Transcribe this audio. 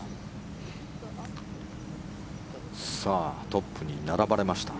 トップに並ばれました。